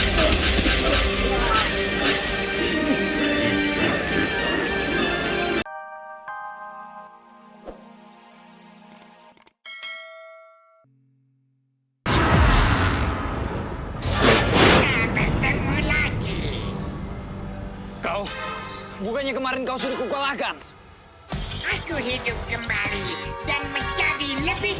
kamu lagi kau bukannya kemarin kau sudah kukolakan aku hidup kembali dan menjadi lebih